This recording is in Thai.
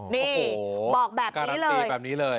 นี่บอกแบบนี้เลยตีแบบนี้เลย